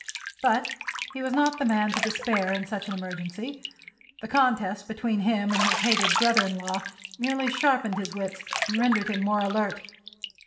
But he was not the man to despair in such an emergency; the contest between him and his hated brother in law merely sharpened his wits and rendered him more alert.